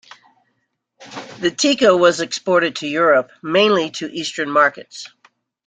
The Tico was exported to Europe, mainly to eastern markets.